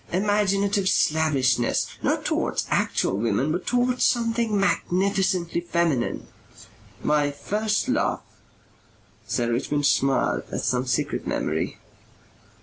imaginative slavishness not towards actual women but towards something magnificently feminine. My first love " Sir Richmond smiled at some secret memory.